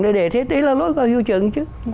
đã để thế đấy là lỗi của hiệu trường chứ